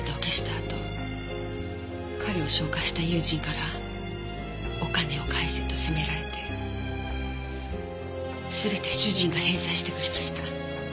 あと彼を紹介した友人からお金を返せと責められて全て主人が返済してくれました。